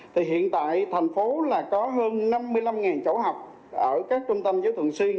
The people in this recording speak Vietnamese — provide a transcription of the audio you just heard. thì hiện tại thành phố là có hơn năm mươi năm chỗ học ở các trung tâm giáo thường xuyên